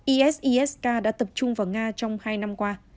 isis k đã tập trung vào nga trong hai năm qua